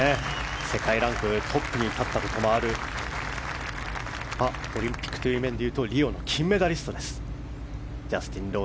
世界ランクトップに立ったこともあるオリンピックという面でいうとリオの金メダリストです。